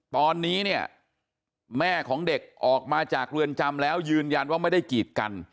ตอนนี้เนี่ยแม่ของเด็กออกมาจากเรือนจำแล้วยืนยันว่าไม่ได้กีดกัน